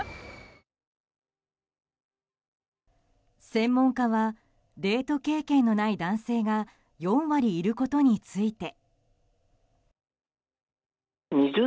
専門家はデート経験のない男性が４割いることについて。